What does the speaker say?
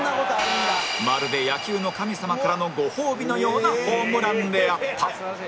まるで野球の神様からのご褒美のようなホームランであった